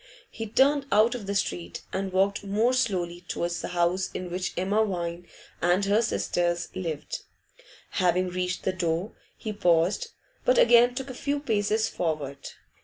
He turned out of the street, and walked more slowly towards the house in which Emma Vine and her sisters lived. Having reached the door, he paused, but again took a few paces forward.